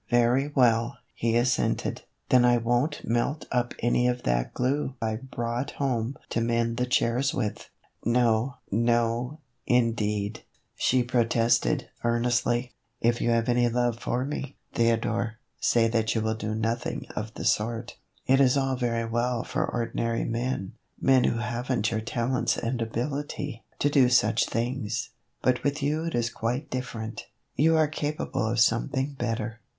" Very well," he assented, " then I won't melt up any of that glue I brought home to mend the chairs with." " No, no, indeed," she protested, earnestly ;" if you have any love for me, Theodore, say that you will do nothing of the sort. It is all very well for ordinary men, men who have n't your talents and ability, to do such things, but with you it is quite different; you are capable of something better.